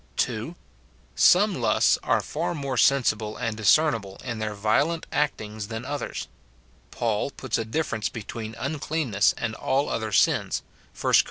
[2.] Some lusts are far more sensible and discernible in their violent actings than others. Paul puts a differ SIN IN BELIEVERS. 193 ence between uncleanness and all otli^r sms : 1 Cor.